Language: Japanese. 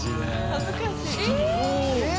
恥ずかしい。